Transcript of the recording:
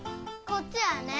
こっちはね